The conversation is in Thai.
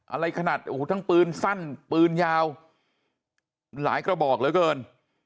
อะไรขนาดโอ้โหทั้งปืนสั้นปืนยาวหลายกระบอกเหลือเกิน